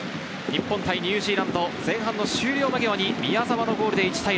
日本対ニュージーランド、前半終了間際に宮澤のゴールで１対０。